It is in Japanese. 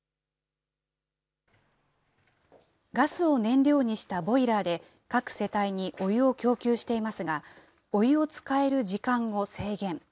ガスを燃料にしたボイラーで、各世帯にお湯を供給していますが、お湯を使える時間を制限。